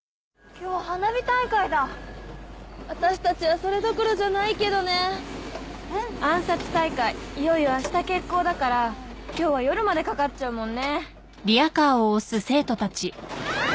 今日は花火大会だ私たちはそれどころじゃないけどね暗殺大会いよいよ明日決行だから今日は夜までかかっちゃうもんねあー！